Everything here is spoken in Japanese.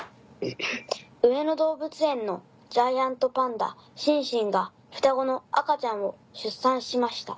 「上野動物園のジャイアントパンダ・シンシンが双子の赤ちゃんを出産しました。